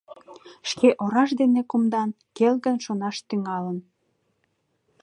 Шке ораж дене кумдан, келгын шонаш тӱҥалын.